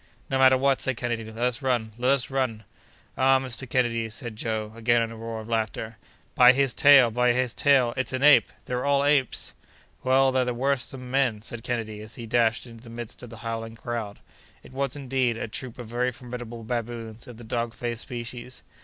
"No matter what!" said Kennedy; "let us run! let us run!" "Ah! Mr. Kennedy," said Joe, again, in a roar of laughter, "by his tail! by his tail! it's an ape! They're all apes!" "Well, they're worse than men!" said Kennedy, as he dashed into the midst of the howling crowd. It was, indeed, a troop of very formidable baboons of the dog faced species.